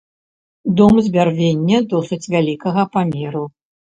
Дом з бярвення досыць вялікага памеру.